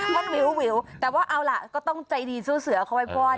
มันวิวแต่ว่าเอาล่ะก็ต้องใจดีเสื้อเข้าไว้ว่อน